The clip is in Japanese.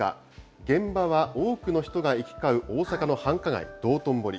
現場は多くの人が行き交う大阪の繁華街、道頓堀。